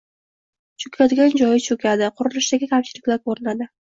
cho‘kadigan joyi cho‘kadi – qurilishdagi kamchiliklar ko‘rinadi.